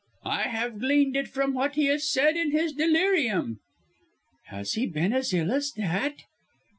"I have gleaned it from what he has said in his delirium." "Has he been as ill as that?"